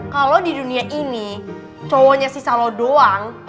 kalo di dunia ini cowoknya sisa lo doang